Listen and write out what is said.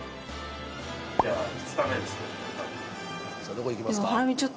じゃあ２日目ですけど。